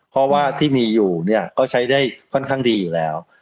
เพราะว่าที่มีอยู่เนี่ยก็ใช้ได้ค่อนข้างดีอยู่แล้ว